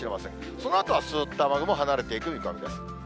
そのあとはすーっと雨雲離れていく見込みです。